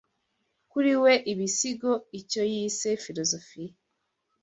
kuri we, ibisigo; icyo yise "filozofiya